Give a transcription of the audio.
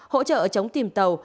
hỗ trợ chống tìm tàu